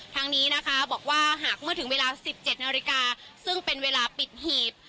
ทางนี้นะคะบอกว่าหากเมื่อถึงเวลา๑๗นาฬิกาซึ่งเป็นเวลาปิดหีบ